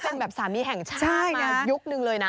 เป็นแบบสามีแห่งชาติมายุคนึงเลยนะ